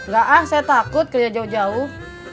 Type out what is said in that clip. gak ah saya takut kerja jauh jauh